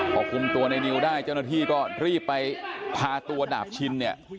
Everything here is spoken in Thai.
พอคุมตัวในนิวได้เจ้าหน้าที่ก็รีบไปพาตัวดาบชินเนี่ย